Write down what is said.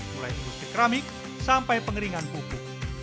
mulai industri keramik sampai pengeringan pupuk